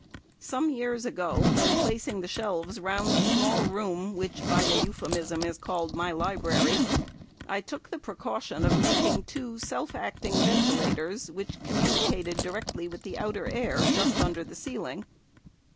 Some years ago when placing the shelves round the small room, which, by a euphemism, is called my library, I took the precaution of making two self acting ventilators which communicated directly with the outer air just under the ceiling.